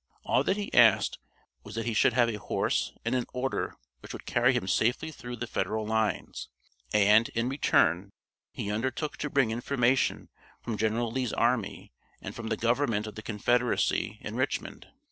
All that he asked was that he should have a horse and an order which would carry him safely through the Federal lines, and, in return, he undertook to bring information from General Lee's army and from the Government of the Confederacy in Richmond.